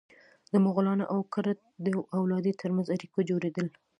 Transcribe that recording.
د مغولانو او کرت د اولادې تر منځ اړیکو جوړېدل.